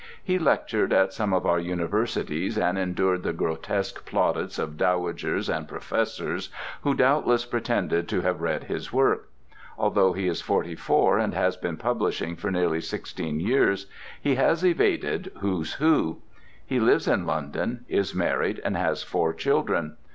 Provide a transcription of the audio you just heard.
He lectured at some of our universities and endured the grotesque plaudits of dowagers and professors who doubtless pretended to have read his work. Although he is forty four, and has been publishing for nearly sixteen years, he has evaded "Who's Who." He lives in London, is married, and has four children.